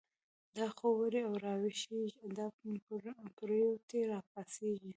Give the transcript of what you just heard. دا خوب و ړی را ویښیږی، دا پریوتی را پاڅیږی